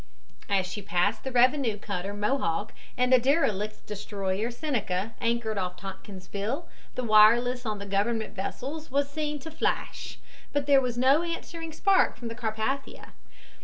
As she passed the revenue cutter Mohawk and the derelict destroyer Seneca anchored off Tompkinsville the wireless on the Government vessels was seen to flash, but there was no answering spark from the Carpathia.